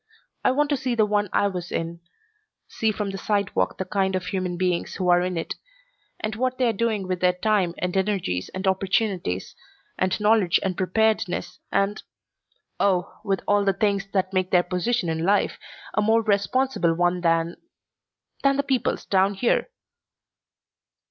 I want to see the one I was in, see from the sidewalk the kind of human beings who are in it, and what they are doing with their time and energies and opportunities and knowledge and preparedness and oh, with all the things that make their position in life a more responsible one than than the people's down here."